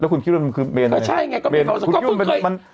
แล้วคุณคิดว่ามันคือเมนอะไร